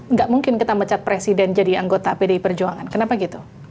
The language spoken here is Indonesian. nggak mungkin kita mecat presiden jadi anggota pdi perjuangan kenapa gitu